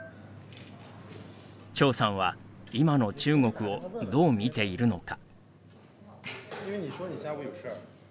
張さんは、今の中国をどう見ているのか。